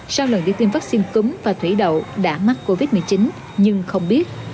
sau lần đi tiêm vaccine cúm và thủy đậu đã mắc covid một mươi chín nhưng không biết